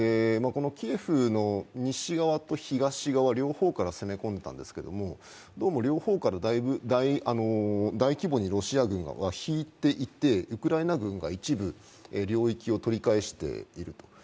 キエフの西側と東側の両方から攻め込んでたんですけれどもどうも両方から大規模なロシア軍は引いていて、ウクライナ軍が一部領域を取り返していると。